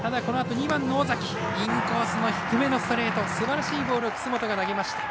２番、尾崎インコースの低めのストレートすばらしいボールを楠本が投げました。